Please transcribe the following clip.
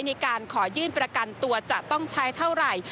ในการขอยื่นประกันตัวจะต้องใช้เท่าไหร่